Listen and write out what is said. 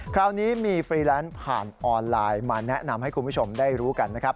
คราวนี้มีฟรีแลนซ์ผ่านออนไลน์มาแนะนำให้คุณผู้ชมได้รู้กันนะครับ